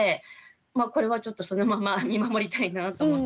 まあこれはちょっとそのまま見守りたいなと思って。